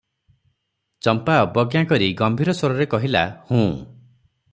ଚମ୍ପା ଅବଜ୍ଞା କରି ଗମ୍ଭୀର ସ୍ୱରରେ କହିଲା, "ହୁଁ" ।